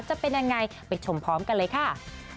จะเป็นยังไงไปชมพร้อมกันเลยค่ะ